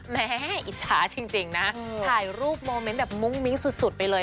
หมออิจฉาจริงนะถ่ายรูปโมเมนต์แบบมุ้งมิ้งสุดไปเลย